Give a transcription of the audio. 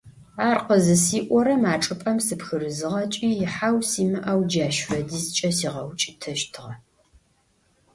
Ар къызысиӀорэм а чӀыпӀэм сыпхырызыгъэкӀи ихьау симыӀэу джащ фэдизкӀэ сигъэукӀытэщтыгъэ.